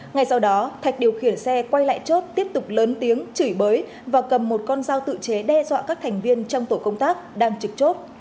ngay sau đó thạch điều khiển xe quay lại chốt tiếp tục lớn tiếng chửi bới và cầm một con dao tự chế đe dọa các thành viên trong tổ công tác đang trực chốt